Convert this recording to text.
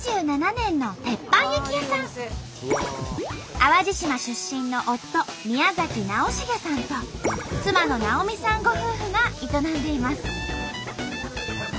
淡路島出身の夫宮崎尚成さんと妻のなおみさんご夫婦が営んでいます。